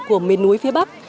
của miền núi phía bắc